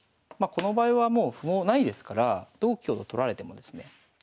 まこの場合はもう歩もないですから同香と取られてもですね